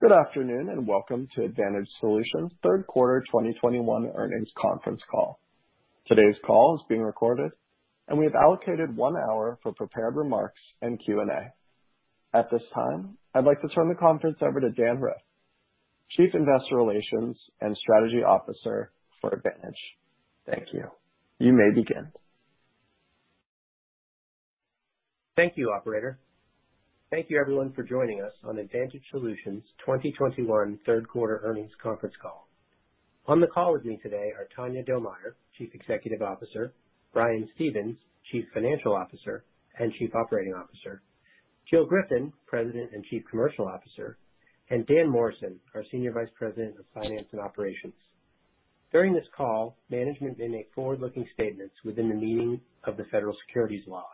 Good afternoon, and welcome to Advantage Solutions' third quarter 2021 earnings conference call. Today's call is being recorded and we have allocated 1 hour for prepared remarks and Q&A. At this time, I'd like to turn the conference over to Dan Riff, Chief Investor Relations and Strategy Officer for Advantage. Thank you. You may begin. Thank you, operator. Thank you everyone for joining us on Advantage Solutions' 2021 third quarter earnings conference call. On the call with me today are Tanya Domier, Chief Executive Officer, Brian Stevens, Chief Financial Officer and Chief Operating Officer, Jill Griffin, President and Chief Commercial Officer, and Dan Morrison, our Senior Vice President of Finance and Operations. During this call, management may make forward-looking statements within the meaning of the federal securities laws.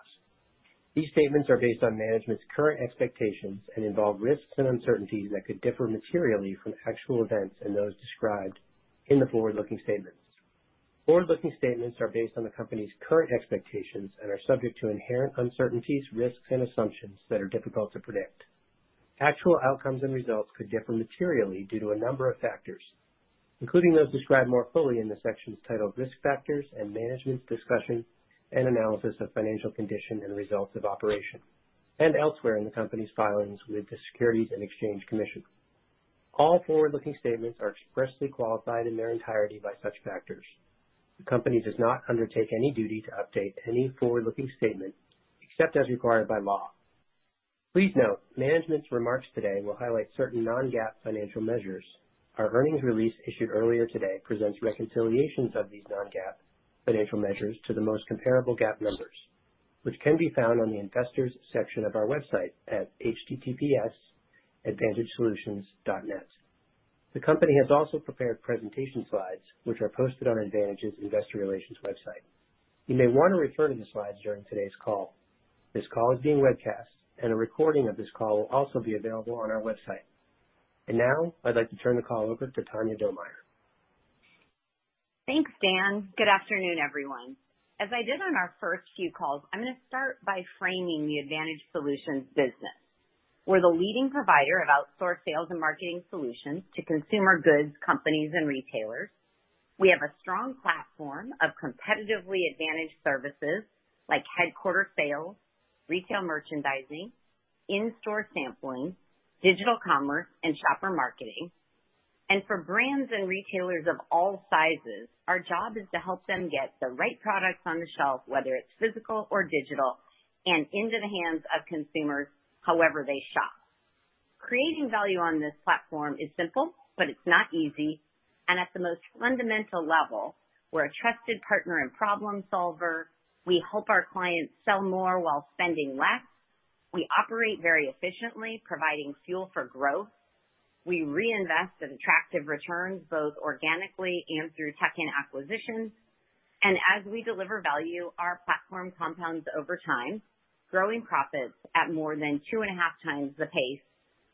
These statements are based on management's current expectations and involve risks and uncertainties that could differ materially from actual events and those described in the forward-looking statements. Forward-looking statements are based on the company's current expectations and are subject to inherent uncertainties, risks, and assumptions that are difficult to predict. Actual outcomes and results could differ materially due to a number of factors, including those described more fully in the sections titled Risk Factors and Management's Discussion and Analysis of Financial Condition and Results of Operations, and elsewhere in the company's filings with the Securities and Exchange Commission. All forward-looking statements are expressly qualified in their entirety by such factors. The company does not undertake any duty to update any forward-looking statement, except as required by law. Please note, management's remarks today will highlight certain non-GAAP financial measures. Our earnings release issued earlier today presents reconciliations of these non-GAAP financial measures to the most comparable GAAP numbers, which can be found on the investors section of our website at https://advantagesolutions.net. The company has also prepared presentation slides, which are posted on Advantage's investor relations website. You may wanna refer to the slides during today's call. This call is being webcast, and a recording of this call will also be available on our website. Now, I'd like to turn the call over to Tanya Domier. Thanks, Dan. Good afternoon, everyone. As I did on our first few calls, I'm gonna start by framing the Advantage Solutions business. We're the leading provider of outsourced sales and marketing solutions to consumer goods companies and retailers. We have a strong platform of competitively advantaged services like headquarter sales, retail merchandising, in-store sampling, digital commerce, and shopper marketing. For brands and retailers of all sizes, our job is to help them get the right products on the shelf, whether it's physical or digital, and into the hands of consumers however they shop. Creating value on this platform is simple, but it's not easy. At the most fundamental level, we're a trusted partner and problem solver, we help our clients sell more while spending less, we operate very efficiently, providing fuel for growth, we reinvest in attractive returns, both organically and through tech and acquisitions. As we deliver value, our platform compounds over time, growing profits at more than 2.5x the pace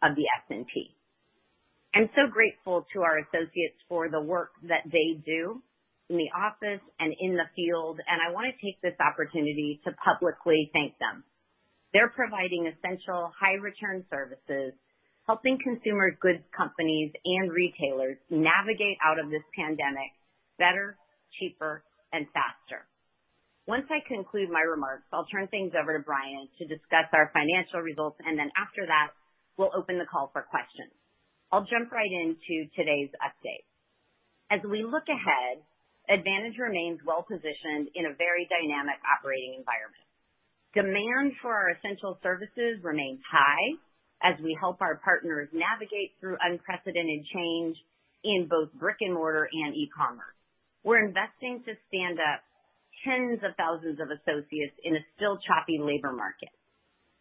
of the S&P. I'm so grateful to our associates for the work that they do in the office and in the field, and I wanna take this opportunity to publicly thank them. They're providing essential high return services, helping consumer goods companies and retailers navigate out of this pandemic better, cheaper and faster. Once I conclude my remarks, I'll turn things over to Brian to discuss our financial results, and then after that, we'll open the call for questions. I'll jump right into today's update. As we look ahead, Advantage remains well positioned in a very dynamic operating environment. Demand for our essential services remains high as we help our partners navigate through unprecedented change in both brick and mortar and e-commerce. We're investing to stand up tens of thousands of associates in a still choppy labor market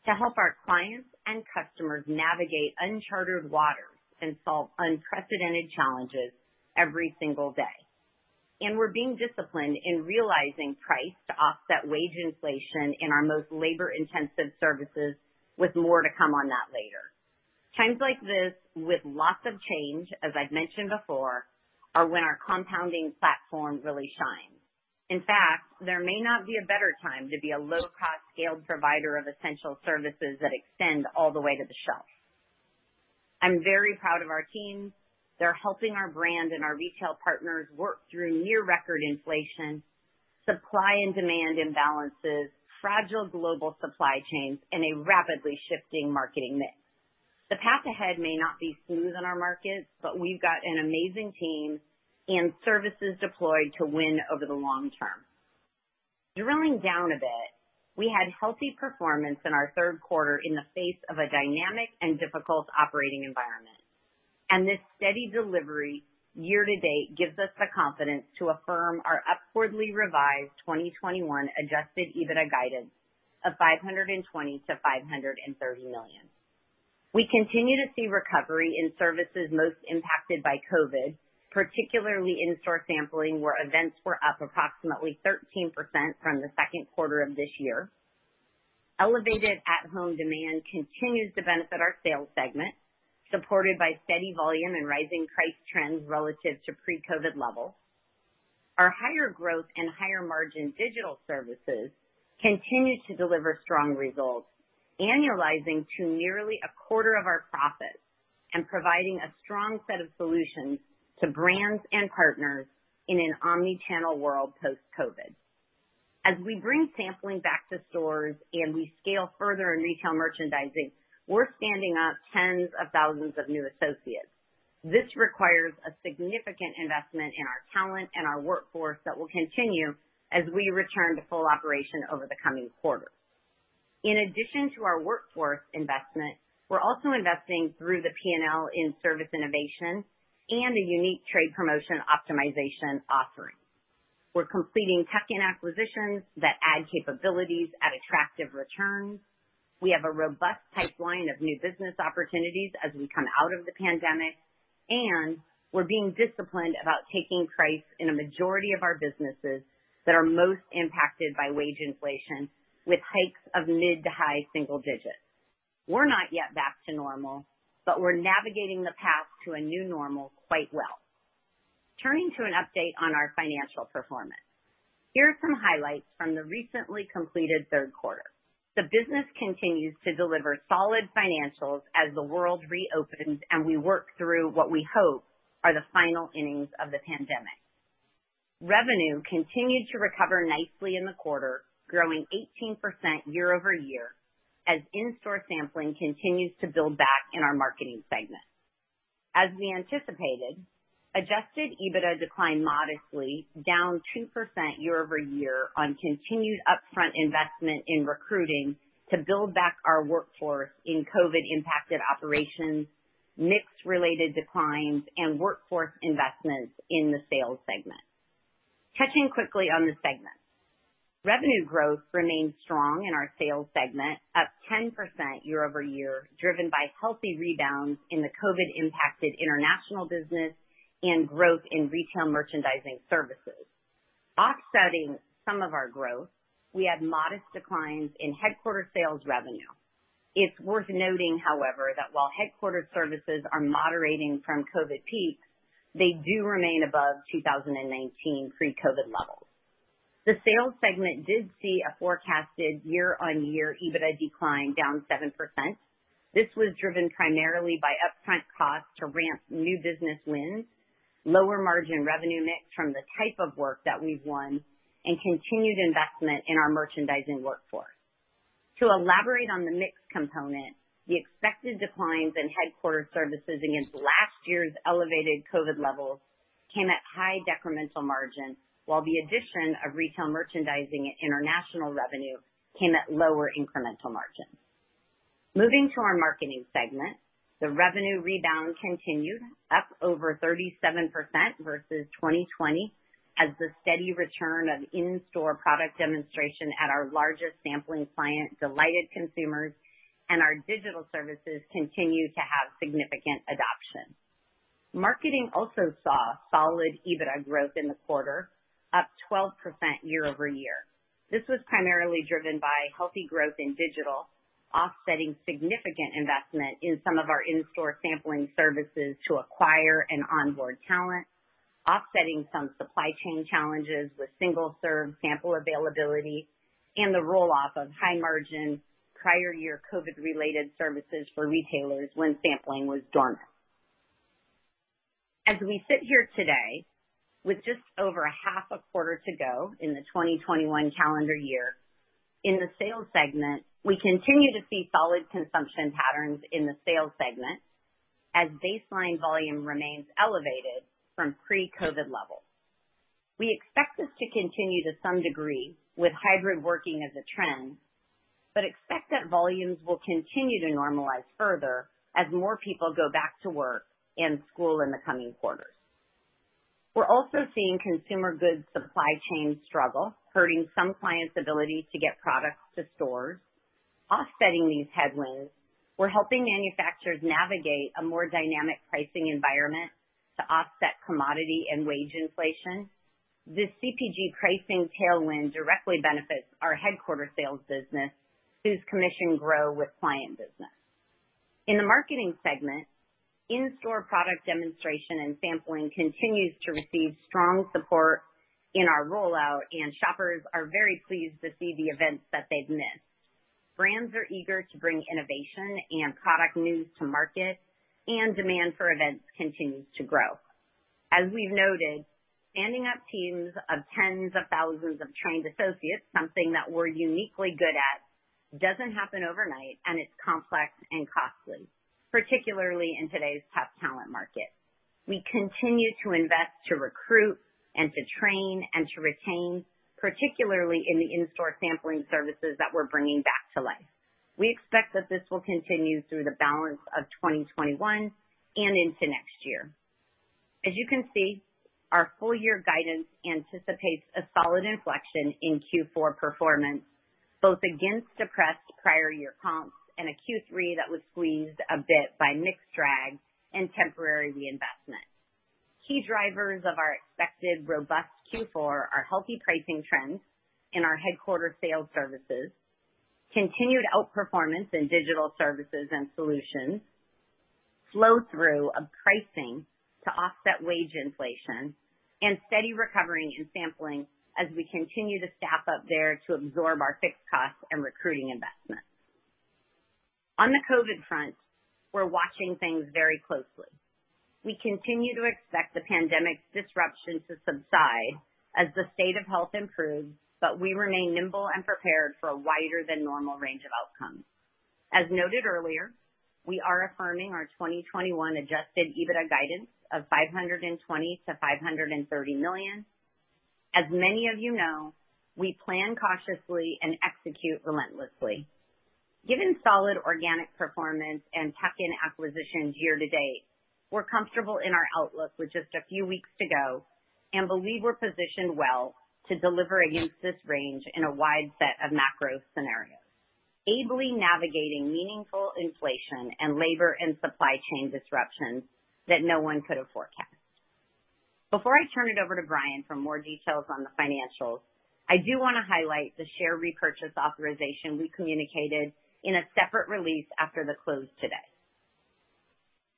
to help our clients and customers navigate uncharted waters and solve unprecedented challenges every single day. We're being disciplined in realizing price to offset wage inflation in our most labor-intensive services with more to come on that later. Times like this with lots of change, as I've mentioned before, are when our compounding platform really shines. In fact, there may not be a better time to be a low-cost scaled provider of essential services that extend all the way to the shelf. I'm very proud of our team. They're helping our brand and our retail partners work through near-record inflation, supply and demand imbalances, fragile global supply chains, and a rapidly shifting marketing mix. The path ahead may not be smooth in our markets, but we've got an amazing team and services deployed to win over the long term. Drilling down a bit, we had healthy performance in our third quarter in the face of a dynamic and difficult operating environment, and this steady delivery year to date gives us the confidence to affirm our upwardly revised 2021 adjusted EBITDA guidance of $520 million-$530 million. We continue to see recovery in services most impacted by COVID, particularly in-store sampling, where events were up approximately 13% from the second quarter of this year. Elevated at-home demand continues to benefit our sales segment, supported by steady volume and rising price trends relative to pre-COVID levels. Our higher growth and higher margin digital services continue to deliver strong results, annualizing to nearly a quarter of our profits and providing a strong set of solutions to brands and partners in an omni-channel world post-COVID. As we bring sampling back to stores and we scale further in retail merchandising, we're standing up tens of thousands of new associates. This requires a significant investment in our talent and our workforce that will continue as we return to full operation over the coming quarters. In addition to our workforce investment, we're also investing through the P&L in service innovation and a unique trade promotion optimization offering. We're completing tuck-in acquisitions that add capabilities at attractive returns. We have a robust pipeline of new business opportunities as we come out of the pandemic, and we're being disciplined about taking price in a majority of our businesses that are most impacted by wage inflation with hikes of mid- to high-single digits. We're not yet back to normal, but we're navigating the path to a new normal quite well. Turning to an update on our financial performance. Here are some highlights from the recently completed third quarter. The business continues to deliver solid financials as the world reopens and we work through what we hope are the final innings of the pandemic. Revenue continued to recover nicely in the quarter, growing 18% year-over-year as in-store sampling continues to build back in our marketing segment. As we anticipated, adjusted EBITDA declined modestly, down 2% year-over-year on continued upfront investment in recruiting to build back our workforce in COVID-impacted operations, mix-related declines, and workforce investments in the Sales segment. Touching quickly on the segment, revenue growth remains strong in our Sales segment, up 10% year-over-year, driven by healthy rebounds in the COVID-impacted international business and growth in retail merchandising services. Offsetting some of our growth, we had modest declines in headquarters sales revenue. It's worth noting, however, that while headquarters services are moderating from COVID peaks, they do remain above 2019 pre-COVID levels. The Sales segment did see a forecasted year-over-year EBITDA decline down 7%. This was driven primarily by upfront costs to ramp new business wins, lower margin revenue mix from the type of work that we've won, and continued investment in our merchandising workforce. To elaborate on the mix component, the expected declines in headquarters services against last year's elevated COVID levels came at high decremental margin, while the addition of retail merchandising and international revenue came at lower incremental margins. Moving to our marketing segment, the revenue rebound continued up over 37% versus 2020 as the steady return of in-store product demonstration at our largest sampling client delighted consumers and our digital services continued to have significant adoption. Marketing also saw solid EBITDA growth in the quarter, up 12% year-over-year. This was primarily driven by healthy growth in digital, offsetting significant investment in some of our in-store sampling services to acquire and onboard talent, offsetting some supply chain challenges with single-serve sample availability, and the roll-off of high margin prior year COVID-related services for retailers when sampling was dormant. As we sit here today with just over a half a quarter to go in the 2021 calendar year, in the sales segment, we continue to see solid consumption patterns in the sales segment as baseline volume remains elevated from pre-COVID levels. We expect this to continue to some degree with hybrid working as a trend, but expect that volumes will continue to normalize further as more people go back to work and school in the coming quarters. We're also seeing consumer goods supply chain struggle, hurting some clients' ability to get products to stores. Offsetting these headwinds, we're helping manufacturers navigate a more dynamic pricing environment to offset commodity and wage inflation. The CPG pricing tailwind directly benefits our headquarters sales business, whose commissions grow with client business. In the marketing segment, in-store product demonstration and sampling continue to receive strong support in our rollout, and shoppers are very pleased to see the events that they've missed. Brands are eager to bring innovation and product news to market and demand for events continues to grow. As we've noted, standing up teams of tens of thousands of trained associates, something that we're uniquely good at, doesn't happen overnight, and it's complex and costly, particularly in today's tough talent market. We continue to invest to recruit and to train and to retain, particularly in the in-store sampling services that we're bringing back to life. We expect that this will continue through the balance of 2021 and into next year. As you can see, our full year guidance anticipates a solid inflection in Q4 performance, both against depressed prior year comps and a Q3 that was squeezed a bit by mix drag and temporary reinvestment. Key drivers of our expected robust Q4 are healthy pricing trends in our headquarters sales services, continued outperformance in digital services and solutions, flow through of pricing to offset wage inflation, and steady recovery in sampling as we continue to staff up there to absorb our fixed costs and recruiting investments. On the COVID front, we're watching things very closely. We continue to expect the pandemic disruption to subside as the state of health improves, but we remain nimble and prepared for a wider than normal range of outcomes. As noted earlier, we are affirming our 2021 adjusted EBITDA guidance of $520 million-$530 million. As many of you know, we plan cautiously and execute relentlessly. Given solid organic performance and tuck-in acquisitions year to date, we're comfortable in our outlook with just a few weeks to go, and believe we're positioned well to deliver against this range in a wide set of macro scenarios, ably navigating meaningful inflation and labor and supply chain disruptions that no one could have forecasted. Before I turn it over to Brian for more details on the financials, I do wanna highlight the share repurchase authorization we communicated in a separate release after the close today.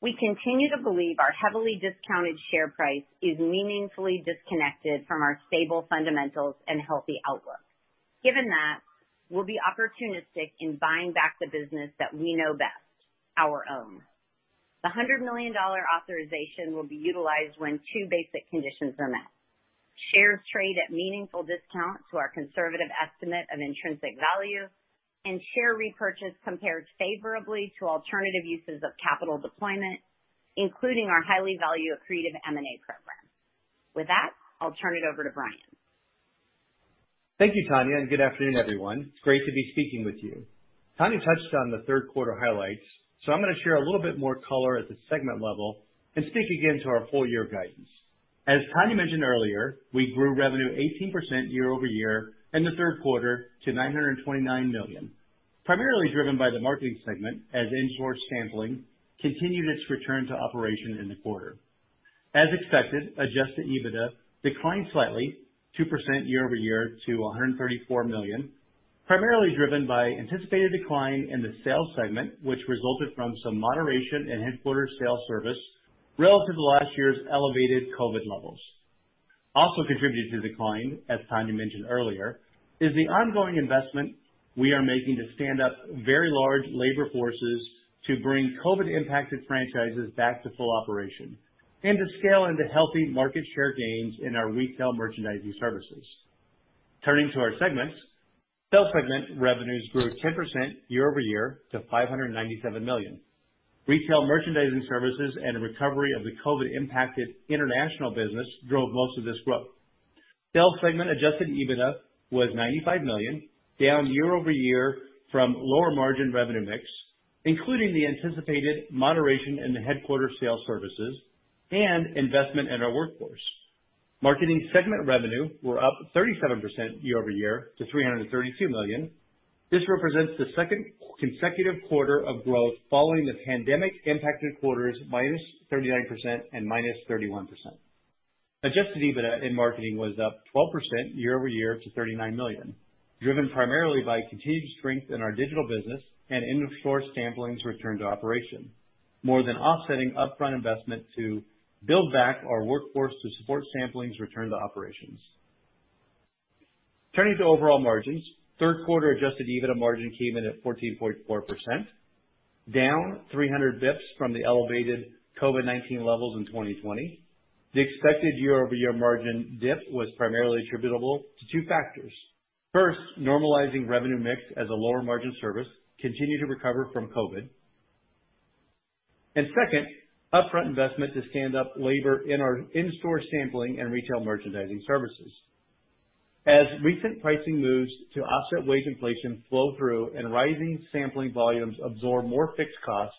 We continue to believe our heavily discounted share price is meaningfully disconnected from our stable fundamentals and healthy outlook. Given that, we'll be opportunistic in buying back the business that we know best, our own. The $100 million authorization will be utilized when two basic conditions are met. Shares trade at a meaningful discount to our conservative estimate of intrinsic value, and share repurchase compares favorably to alternative uses of capital deployment, including our highly value accretive M&A program. With that, I'll turn it over to Brian. Thank you, Tanya, and good afternoon, everyone. It's great to be speaking with you. Tanya touched on the third quarter highlights, so I'm gonna share a little bit more color at the segment level and speak again to our full year guidance. As Tanya mentioned earlier, we grew revenue 18% year-over-year in the third quarter to $929 million, primarily driven by the marketing segment, as in-store sampling continued its return to operation in the quarter. As expected, adjusted EBITDA declined slightly 2% year-over-year to $134 million, primarily driven by anticipated decline in the sales segment, which resulted from some moderation in headquarters sales service relative to last year's elevated COVID levels. Also contributing to the decline, as Tanya mentioned earlier, is the ongoing investment we are making to stand up very large labor forces to bring COVID-impacted franchises back to full operation and to scale into healthy market share gains in our retail merchandising services. Turning to our segments. Sales segment revenues grew 10% year-over-year to $597 million. Retail merchandising services and the recovery of the COVID-impacted international business drove most of this growth. Sales segment adjusted EBITDA was $95 million, down year-over-year from lower margin revenue mix, including the anticipated moderation in the headquarter sales services and investment in our workforce. Marketing segment revenues were up 37% year-over-year to $332 million. This represents the second consecutive quarter of growth following the pandemic-impacted quarters -39% and -31%. Adjusted EBITDA in marketing was up 12% year-over-year to $39 million, driven primarily by continued strength in our digital business and in-store sampling return to operation, more than offsetting upfront investment to build back our workforce to support sampling return to operations. Turning to overall margins. Third quarter adjusted EBITDA margin came in at 14.4%, down 300 basis points from the elevated COVID-19 levels in 2020. The expected year-over-year margin dip was primarily attributable to two factors. First, normalizing revenue mix as a lower margin service continued to recover from COVID. Second, upfront investment to stand up labor in our in-store sampling and retail merchandising services. As recent pricing moves to offset wage inflation flow through and rising sampling volumes absorb more fixed costs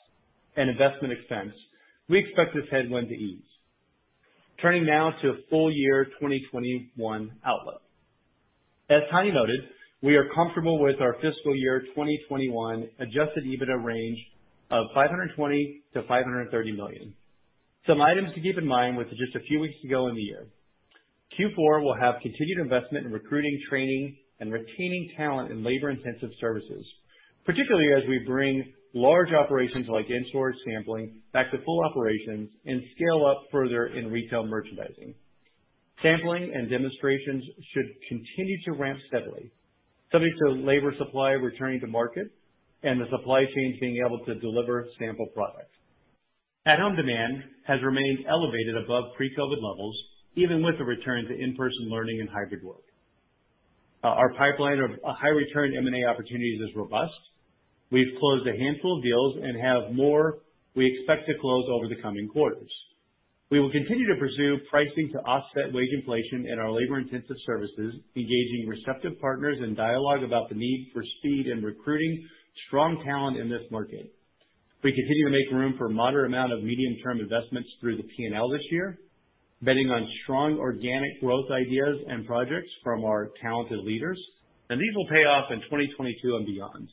and investment expense, we expect this headwind to ease. Turning now to full-year 2021 outlook. As Tanya noted, we are comfortable with our fiscal year 2021 adjusted EBITDA range of $520 million-$530 million. Some items to keep in mind with just a few weeks to go in the year. Q4 will have continued investment in recruiting, training, and retaining talent in labor-intensive services, particularly as we bring large operations like in-store sampling back to full operations and scale up further in retail merchandising. Sampling and demonstrations should continue to ramp steadily, subject to labor supply returning to market and the supply chains being able to deliver sample products. At-home demand has remained elevated above pre-COVID levels, even with the return to in-person learning and hybrid work. Our pipeline of high return M&A opportunities is robust. We've closed a handful of deals and have more we expect to close over the coming quarters. We will continue to pursue pricing to offset wage inflation in our labor-intensive services, engaging receptive partners in dialogue about the need for speed and recruiting strong talent in this market. We continue to make room for a moderate amount of medium-term investments through the P&L this year, betting on strong organic growth ideas and projects from our talented leaders, and these will pay off in 2022 and beyond.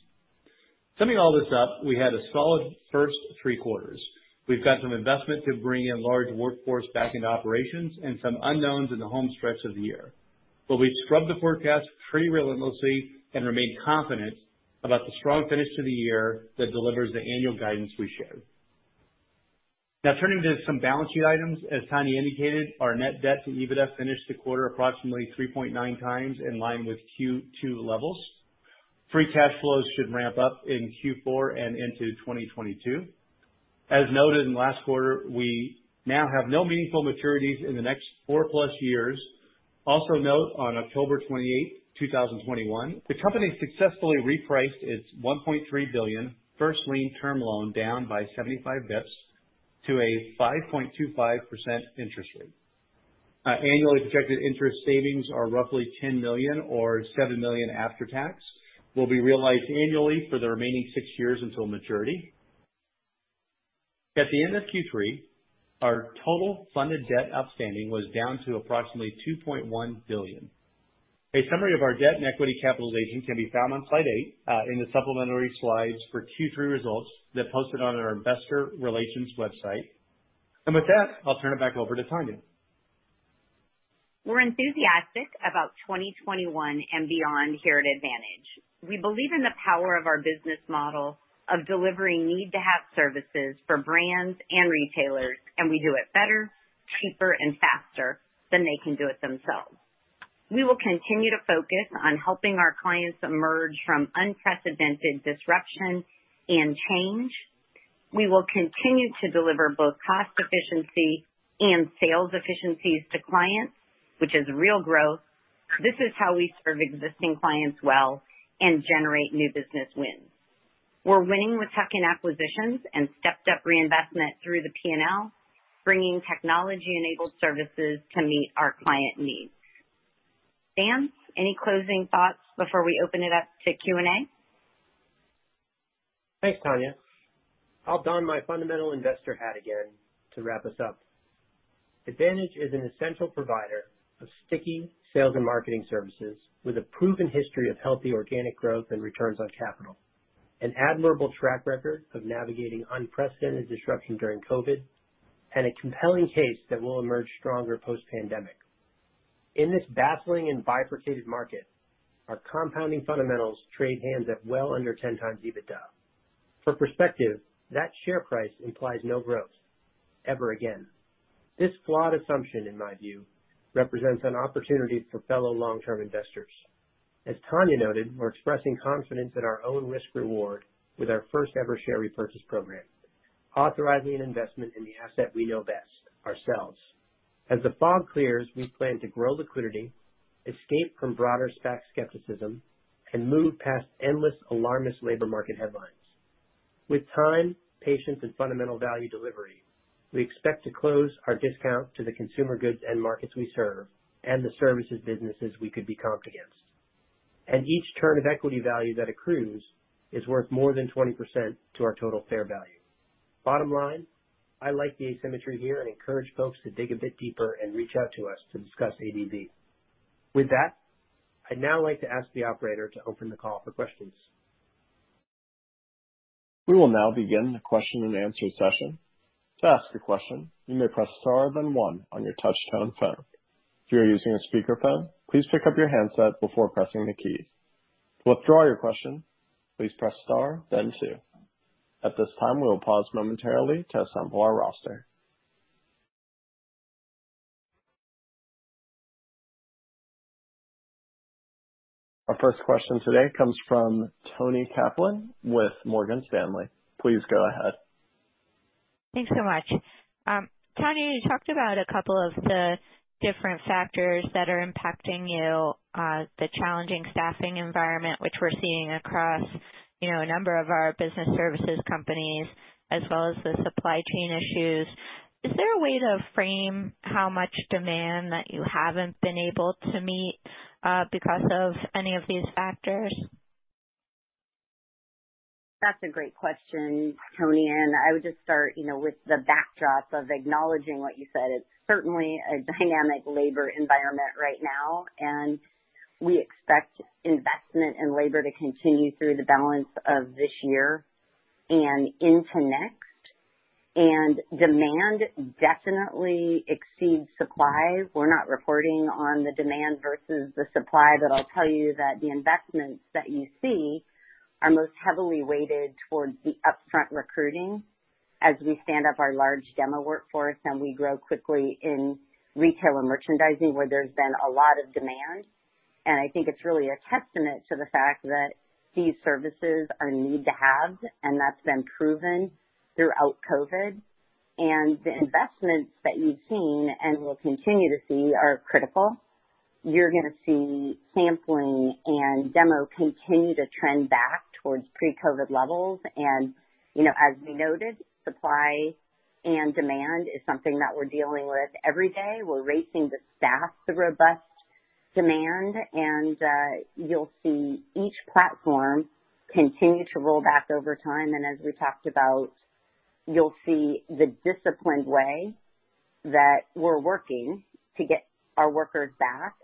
Summing all this up, we had a solid first three quarters. We've got some investment to bring in large workforce back into operations and some unknowns in the home stretch of the year. We've scrubbed the forecast pretty relentlessly and remain confident about the strong finish to the year that delivers the annual guidance we shared. Now turning to some balance sheet items. As Tanya indicated, our net debt to EBITDA finished the quarter approximately 3.9x in line with Q2 levels. Free cash flows should ramp up in Q4 and into 2022. As noted in last quarter, we now have no meaningful maturities in the next 4+ years. Also note, on October 28, 2021, the company successfully repriced its $1.3 billion first lien term loan down by 75 basis points to a 5.25% interest rate. Annually projected interest savings are roughly $10 million or $7 million after tax and will be realized annually for the remaining 6 years until maturity. At the end of Q3, our total funded debt outstanding was down to approximately $2.1 billion. A summary of our debt and equity capitalization can be found on slide eight, in the supplementary slides for Q3 results that posted on our investor relations website. With that, I'll turn it back over to Tanya. We're enthusiastic about 2021 and beyond here at Advantage. We believe in the power of our business model of delivering need-to-have services for brands and retailers, and we do it better, cheaper and faster than they can do it themselves. We will continue to focus on helping our clients emerge from unprecedented disruption and change. We will continue to deliver both cost efficiency and sales efficiencies to clients, which is real growth. This is how we serve existing clients well and generate new business wins. We're winning with tuck-in acquisitions and stepped up reinvestment through the P&L, bringing technology-enabled services to meet our client needs. Dan, any closing thoughts before we open it up to Q&A? Thanks, Tanya. I'll don my fundamental investor hat again to wrap us up. Advantage is an essential provider of sticky sales and marketing services with a proven history of healthy organic growth and returns on capital, an admirable track record of navigating unprecedented disruption during COVID, and a compelling case that we'll emerge stronger post-pandemic. In this baffling and bifurcated market, our compounding fundamentals trade hands at well under 10x EBITDA. For perspective, that share price implies no growth ever again. This flawed assumption, in my view, represents an opportunity for fellow long-term investors. As Tanya noted, we're expressing confidence in our own risk reward with our first ever share repurchase program, authorizing an investment in the asset we know best, ourselves. As the fog clears, we plan to grow liquidity, escape from broader SPAC skepticism, and move past endless alarmist labor market headlines. With time, patience and fundamental value delivery, we expect to close our discount to the consumer goods and markets we serve and the services businesses we could be comped against. Each turn of equity value that accrues is worth more than 20% to our total fair value. Bottom line, I like the asymmetry here and encourage folks to dig a bit deeper and reach out to us to discuss ADV. With that, I'd now like to ask the operator to open the call for questions. We will now begin the question and answer session. To ask a question, you may press star then one on your touchtone phone. If you are using a speakerphone, please pick up your handset before pressing the key. To withdraw your question, please press star then two. At this time, we will pause momentarily to assemble our roster. Our first question today comes from Toni Kaplan with Morgan Stanley. Please go ahead. Thanks so much. Tanya, you talked about a couple of the different factors that are impacting you, the challenging staffing environment which we're seeing across, you know, a number of our business services companies as well as the supply chain issues. Is there a way to frame how much demand that you haven't been able to meet because of any of these factors? That's a great question, Toni, and I would just start, you know, with the backdrop of acknowledging what you said. It's certainly a dynamic labor environment right now, and we expect investment in labor to continue through the balance of this year and into next. Demand definitely exceeds supply. We're not reporting on the demand versus the supply, but I'll tell you that the investments that you see are most heavily weighted towards the upfront recruiting as we stand up our large demo workforce and we grow quickly in retail and merchandising, where there's been a lot of demand. I think it's really a testament to the fact that these services are need to have, and that's been proven throughout COVID. The investments that you've seen and will continue to see are critical. You're gonna see sampling and demo continue to trend back towards pre-COVID levels. You know, as we noted, supply and demand is something that we're dealing with every day. We're racing to staff the robust demand, and you'll see each platform continue to roll back over time. As we talked about, you'll see the disciplined way that we're working to get our workers back.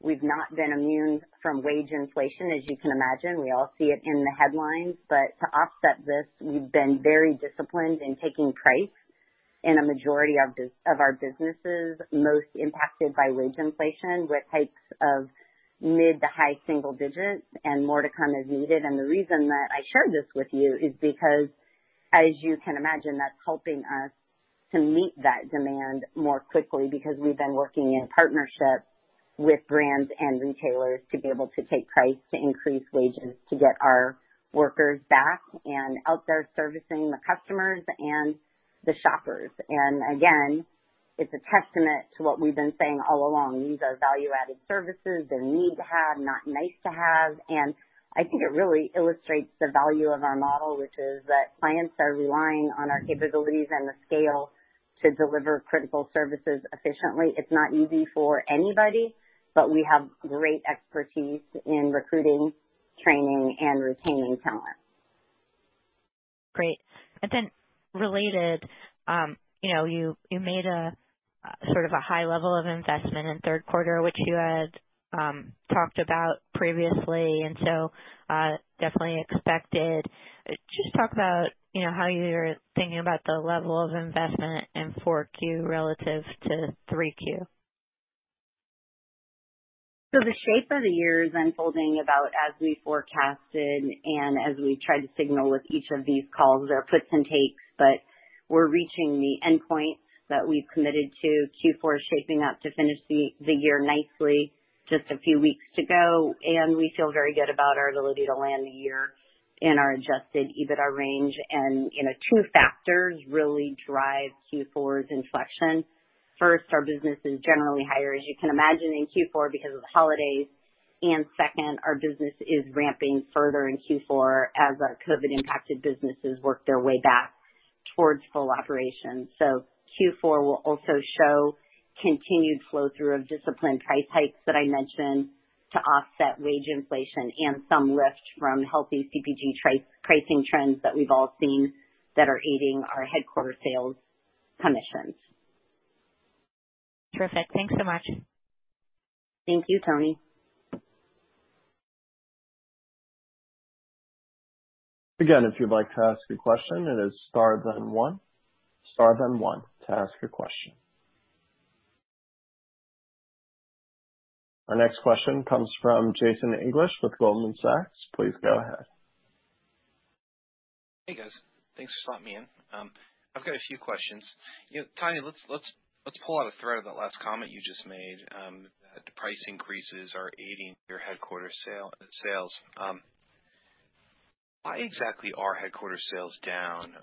We've not been immune from wage inflation as you can imagine. We all see it in the headlines. To offset this, we've been very disciplined in taking price increases in a majority of our businesses, most impacted by wage inflation with hikes of mid to high single digits and more to come as needed. The reason that I share this with you is because, as you can imagine, that's helping us to meet that demand more quickly because we've been working in partnership with brands and retailers to be able to take price to increase wages to get our workers back and out there servicing the customers and the shoppers. Again, it's a testament to what we've been saying all along. These are value-added services they need to have, not nice to have. I think it really illustrates the value of our model, which is that clients are relying on our capabilities and the scale to deliver critical services efficiently. It's not easy for anybody, but we have great expertise in recruiting, training, and retaining talent. Great. Then related, you know, you made a sort of a high level of investment in third quarter, which you had talked about previously, and so, definitely expected. Just talk about, you know, how you're thinking about the level of investment in 4Q relative to 3Q. The shape of the year is unfolding about as we forecasted and as we tried to signal with each of these calls. There are puts and takes, but we're reaching the endpoint that we've committed to. Q4 is shaping up to finish the year nicely just a few weeks to go, and we feel very good about our ability to land the year in our adjusted EBITDA range. You know, two factors really drive Q4's inflection. First, our business is generally higher, as you can imagine, in Q4 because of holidays. Second, our business is ramping further in Q4 as our COVID impacted businesses work their way back towards full operation. Q4 will also show continued flow through of disciplined price hikes that I mentioned to offset wage inflation and some lift from healthy CPG trade pricing trends that we've all seen that are aiding our headquarters sales commissions. Terrific. Thanks so much. Thank you, Toni. Our next question comes from Jason English with Goldman Sachs. Please go ahead. Hey, guys. Thanks for slotting me in. I've got a few questions. You know, Tanya, let's pull out a thread of that last comment you just made, that the price increases are aiding your headquarters sales. Why exactly are headquarters sales down?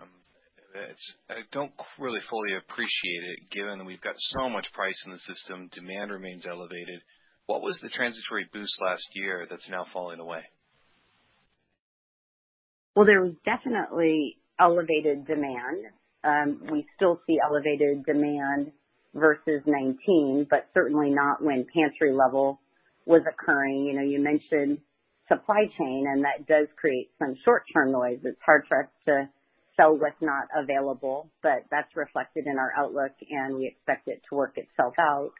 I don't really fully appreciate it given that we've got so much price in the system. Demand remains elevated. What was the transitory boost last year that's now falling away? Well, there was definitely elevated demand. We still see elevated demand versus 2019, but certainly not when pantry loading was occurring. You know, you mentioned supply chain and that does create some short-term noise. It's hard for us to sell what's not available, but that's reflected in our outlook and we expect it to work itself out.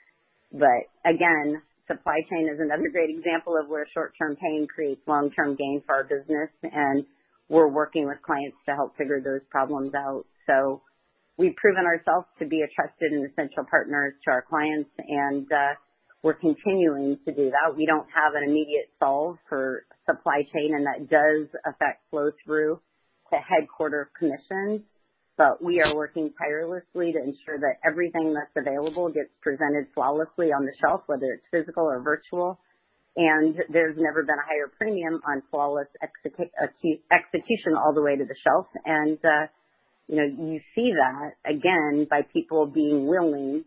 Again, supply chain is another great example of where short-term pain creates long-term gain for our business, and we're working with clients to help figure those problems out. We've proven ourselves to be a trusted and essential partners to our clients, and we're continuing to do that. We don't have an immediate solve for supply chain, and that does affect flow through to headquarters commissions. We are working tirelessly to ensure that everything that's available gets presented flawlessly on the shelf, whether it's physical or virtual. There's never been a higher premium on flawless execution all the way to the shelf. You know, you see that again by people being willing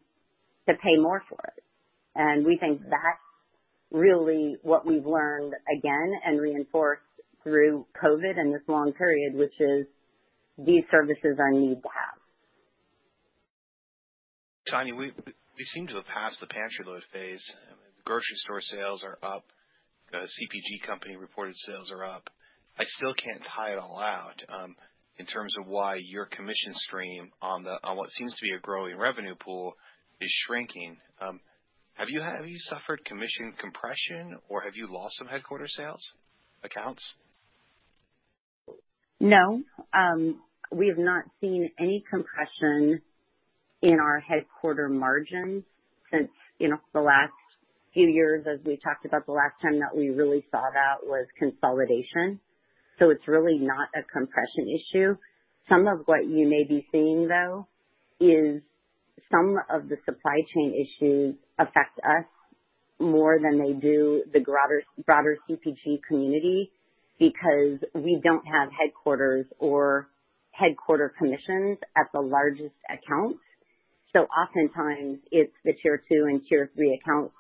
to pay more for it. We think that's really what we've learned again and reinforced through COVID and this long period, which is these services are need to have. Tanya, we seem to have passed the pantry load phase. Grocery store sales are up. CPG company reported sales are up. I still can't tie it all out in terms of why your commission stream on what seems to be a growing revenue pool is shrinking. Have you suffered commission compression or have you lost some headquarter sales accounts? No. We have not seen any compression in our headquarter margins since, you know, the last few years as we talked about. The last time that we really saw that was consolidation. It's really not a compression issue. Some of what you may be seeing, though, is some of the supply chain issues affect us more than they do the broader CPG community because we don't have headquarters or headquarter commissions at the largest accounts. Oftentimes it's the Tier 2 and Tier 3 accounts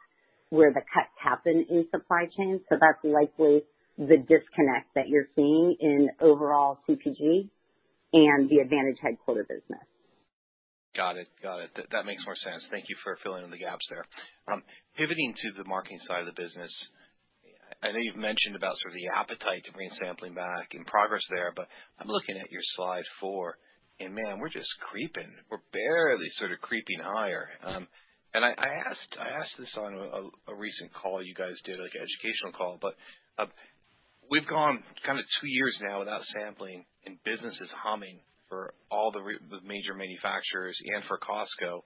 where the cuts happen in supply chain. That's likely the disconnect that you're seeing in overall CPG and the Advantage headquarter business. Got it. That makes more sense. Thank you for filling in the gaps there. Pivoting to the marketing side of the business. I know you've mentioned about sort of the appetite to bring sampling back and progress there, but I'm looking at your slide 4, and man, we're just creeping. We're barely sort of creeping higher. I asked this on a recent call you guys did, like, an educational call, but we've gone kind of two years now without sampling, and business is humming for all the major manufacturers and for Costco.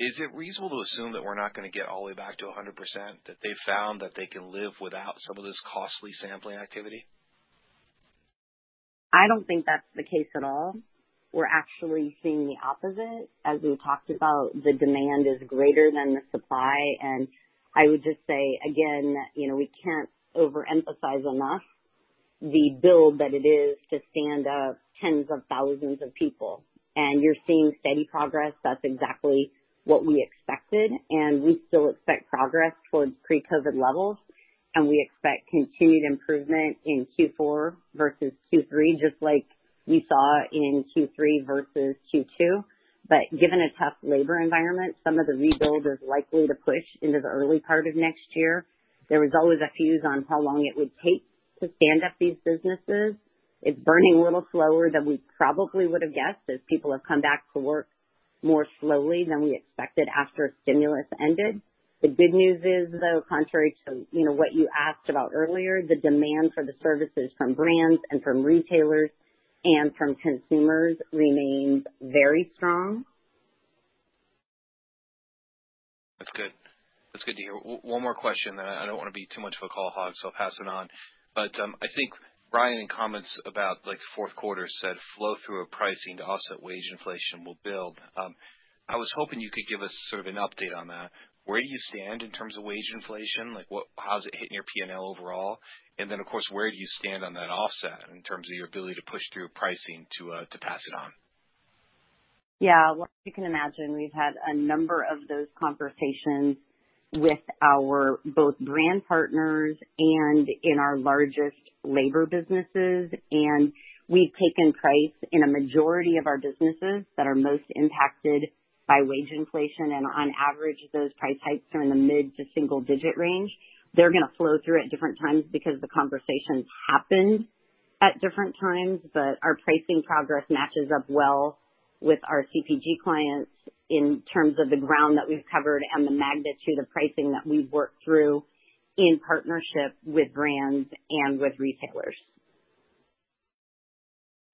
Is it reasonable to assume that we're not gonna get all the way back to 100%, that they've found that they can live without some of this costly sampling activity? I don't think that's the case at all. We're actually seeing the opposite. As we talked about, the demand is greater than the supply. I would just say again, you know, we can't overemphasize enough the build that it is to stand up tens of thousands of people. You're seeing steady progress. That's exactly what we expected, and we still expect progress towards pre-COVID levels. We expect continued improvement in Q4 versus Q3, just like we saw in Q3 versus Q2. Given a tough labor environment, some of the rebuild is likely to push into the early part of next year. There was always a fuse on how long it would take to stand up these businesses. It's burning a little slower than we probably would have guessed, as people have come back to work more slowly than we expected after stimulus ended. The good news is, though, contrary to, you know, what you asked about earlier, the demand for the services from brands and from retailers and from consumers remains very strong. That's good. That's good to hear. One more question then I don't wanna be too much of a call hog, so I'll pass it on. I think Brian, in comments about, like, fourth quarter, said flow-through of pricing to offset wage inflation will build. I was hoping you could give us sort of an update on that. Where do you stand in terms of wage inflation? Like, what, how is it hitting your P&L overall? And then, of course, where do you stand on that offset in terms of your ability to push through pricing to pass it on? Yeah. Well, as you can imagine, we've had a number of those conversations with our both brand partners and in our largest labor businesses. We've taken price in a majority of our businesses that are most impacted by wage inflation. On average, those price hikes are in the mid to single digit range. They're gonna flow through at different times because the conversations happened at different times. Our pricing progress matches up well with our CPG clients in terms of the ground that we've covered and the magnitude of pricing that we've worked through in partnership with brands and with retailers.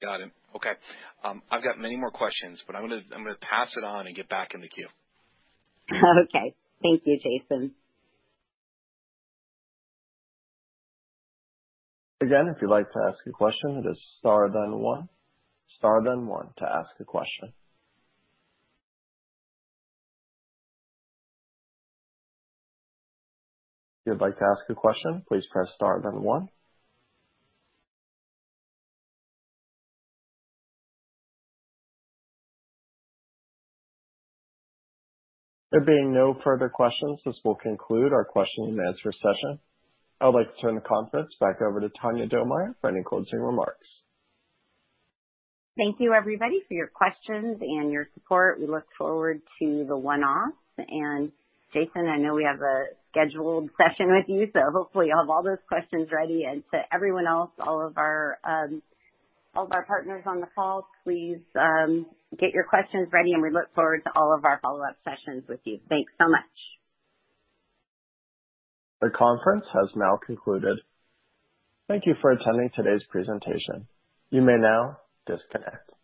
Got it. Okay. I've got many more questions, but I'm gonna pass it on and get back in the queue. Okay. Thank you, Jason. There being no further questions, this will conclude our question and answer session. I would like to turn the conference back over to Tanya Domier for any closing remarks. Thank you, everybody, for your questions and your support. We look forward to the one-offs. Jason, I know we have a scheduled session with you, so hopefully you'll have all those questions ready. To everyone else, all of our partners on the call, please get your questions ready, and we look forward to all of our follow-up sessions with you. Thanks so much. The conference has now concluded. Thank you for attending today's presentation. You may now disconnect.